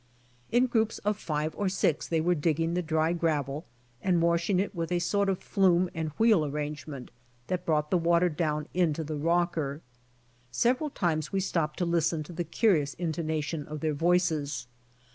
In groups of five or six they were digging the dry 134 BY ox TEAM TO CALIFORNIA gravel and washing it with a sort of Hume and wheel arrangement that brought the water down into the rocker. Several times we stopped to listen to the curions intonation of their voices.